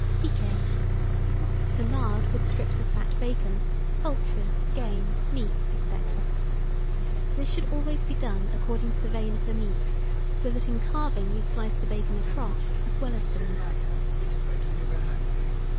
PIQUER. To lard with strips of fat bacon, poultry, game, meat, &c. This should always be done according to the vein of the meat, so that in carving you slice the bacon across as well as the meat.